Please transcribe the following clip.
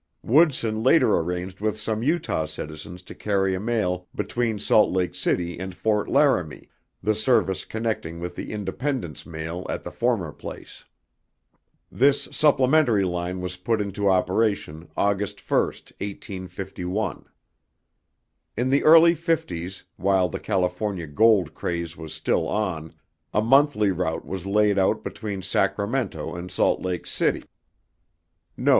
Woodson later arranged with some Utah citizens to carry a mail between Salt Lake City and Fort Laramie, the service connecting with the Independence mail at the former place. This supplementary line was put into operation August 1, 1851. In the early fifties, while the California gold craze was still on, a monthly route was laid out between Sacramento and Salt Lake City.